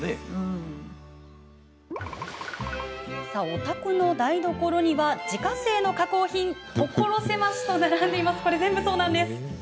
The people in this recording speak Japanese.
お宅の台所には、自家製の加工品が所狭しと並んでいます。